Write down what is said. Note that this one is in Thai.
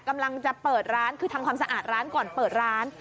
กำลังจะเปิดร้านคือทำความสะอาดร้านก่อนเปิดร้าน